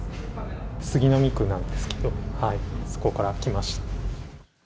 杉並区なんですけど、そこから来ました。